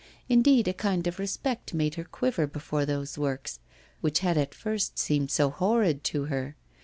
Indeed, a kind of respect made her quiver before those works which had at first seemed so horrid to her.